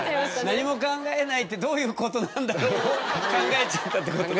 「何も考えないってどういうことなんだろう」を考えちゃったってことね。